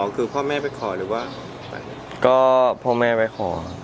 ก็พ่อแม่ไปขอ